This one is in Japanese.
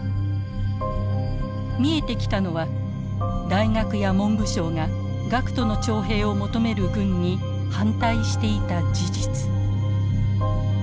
見えてきたのは大学や文部省が学徒の徴兵を求める軍に反対していた事実。